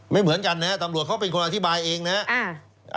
ไม่เหมือนกันนะฮะตำรวจเขาเป็นคนอธิบายเองนะครับ